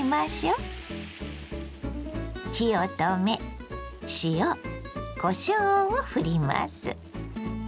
火を止め塩こしょうをふります。